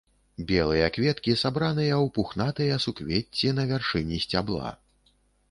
Белыя кветкі сабраныя ў пухнатыя суквецці на вяршыні сцябла.